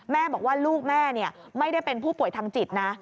แม่บอกว่าลูกแม่ไม่ได้เป็นผู้ป่วยทางจิตนะ